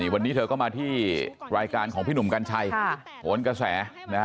วันนี้เธอก็มาที่รายการของพี่หนุ่มกัญชัยโหนกระแส